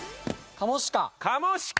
かもしか。